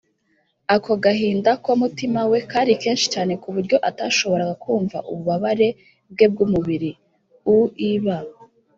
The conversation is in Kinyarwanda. ako gahinda ko mutima we kari kenshi cyane, ku buryo atashoboraga kumva ububabare bwe bw’umubiri uib